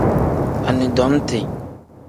Anidomiti.